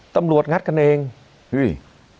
ตำรวจงัดกันเองเฮ้ย